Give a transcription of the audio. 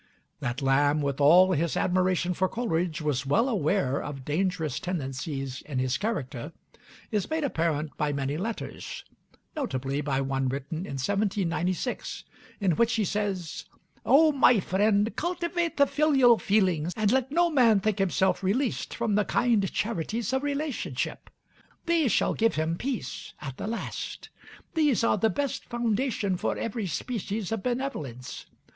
That Lamb, with all his admiration for Coleridge, was well aware of dangerous tendencies in his character, is made apparent by many letters, notably by one written in 1796, in which he says: "O my friend, cultivate the filial feelings! and let no man think himself released from the kind charities of relationship: these shall give him peace at the last; these are the best foundation for every species of benevolence.